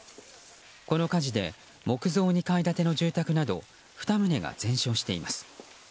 この火事で木造２階建ての住宅など２棟が全焼しています。